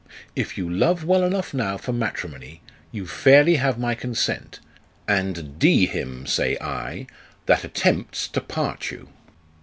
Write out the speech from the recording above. If you love well enough now for matrimony, you fairly have my consent, and d him, say I, that attempts to part you."